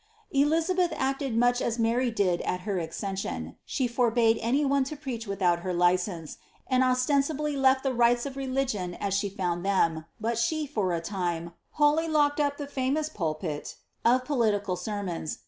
Elizabeth acted much as Mary did at her accession ; she forbade any one to preach without her license, and ostensibly leA the rites of reli gion as she found them, but she, for a time, wholly locked up the iiunous pulpit of political sermons.